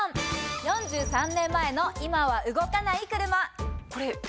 ４３年前の今は動かない車。